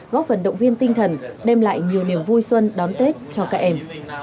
góp phần động viên tinh thần đem lại nhiều niềm vui xuân đón tết cho các em